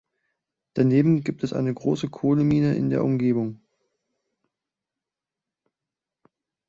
Daneben gibt es eine große Kohlemine in der Umgebung.